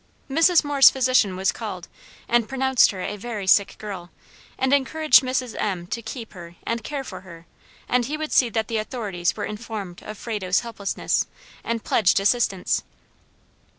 Mrs. Moore's physician was called, and pronounced her a very sick girl, and encouraged Mrs. M. to keep her and care for her, and he would see that the authorities were informed of Frado's helplessness, and pledged assistance.